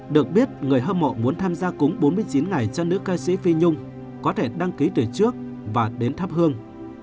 được biết người hâm mộ muốn tham gia cúng bốn mươi chín ngày cho nữ ca sĩ phi nhung có thể đăng ký từ trước và đến thắp hương